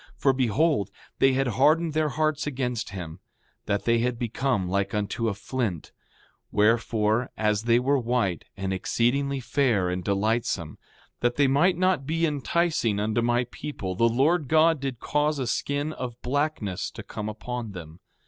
For behold, they had hardened their hearts against him, that they had become like unto a flint; wherefore, as they were white, and exceedingly fair and delightsome, that they might not be enticing unto my people the Lord God did cause a skin of blackness to come upon them.